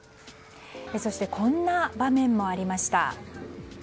そして、こんな場面もありました。